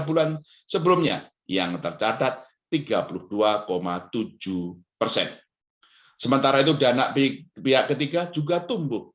bulan sebelumnya yang tercatat tiga puluh dua tujuh persen sementara itu dana pihak ketiga juga tumbuh